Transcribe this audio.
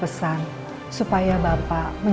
mengusahakan setiap tienen